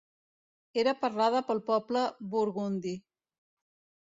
Era parlada pel poble burgundi.